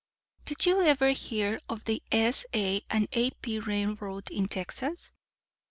"Did you ever hear of the S.A. & A.P. Railroad in Texas?